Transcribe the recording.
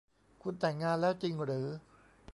คุณแต่งงานแล้วจริงหรือ